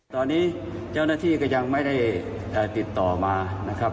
ตอนนี้เจ้าหน้าที่ก็ยังไม่ได้ติดต่อมานะครับ